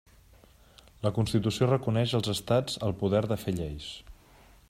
La Constitució reconeix als estats el poder de fer lleis.